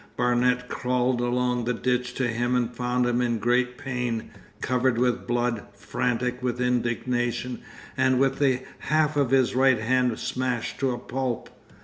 Barnet crawled along the ditch to him and found him in great pain, covered with blood, frantic with indignation, and with the half of his right hand smashed to a pulp.